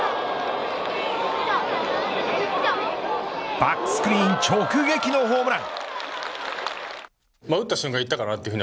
バックスクリーン直撃のホームラン。